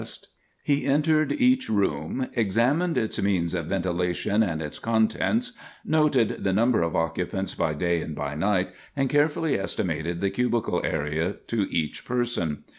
[Sidenote: Each Room Examined] He entered each room, examined its means of ventilation and its contents, noted the number of occupants by day and by night, and carefully estimated the cubical area to each person.